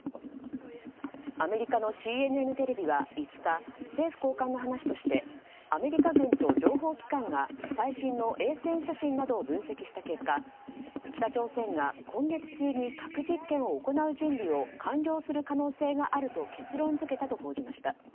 アメリカのＣＮＮテレビは５日政府高官の話としてアメリカ軍と情報機関が最新の衛星写真などを分析した結果北朝鮮が今月中に核実験を行う準備を完了する可能性があると結論付けたと報じました。